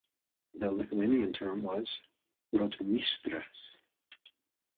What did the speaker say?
The Lithuanian term was "rotmistras".